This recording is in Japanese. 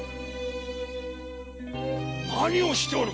何をしておる！？